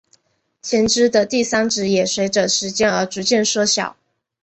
前肢的第三指也随者时间而逐渐缩小。